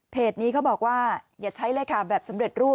เพจนี้เขาบอกว่าอย่าใช้แบบสำเร็จรูป